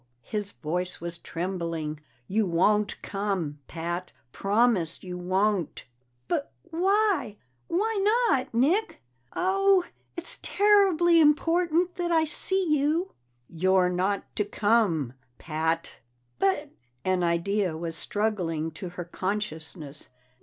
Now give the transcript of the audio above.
His voice was trembling. "You won't come, Pat. Promise you won't!" "But why? Why not, Nick? Oh, it's terribly important that I see you!" "You're not to come, Pat!" "But " An idea was struggling to her consciousness.